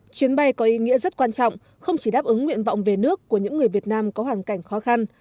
chuyến bay có ý nghĩa rất quan trọng không chỉ đáp ứng nguyện vọng về nước của những người việt nam có hoàn cảnh khó khăn